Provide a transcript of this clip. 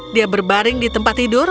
dia berbaring di tempat tidur